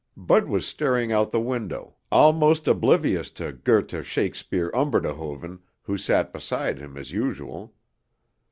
Bud was staring out the window, almost oblivious to Goethe Shakespeare Umberdehoven who sat beside him as usual.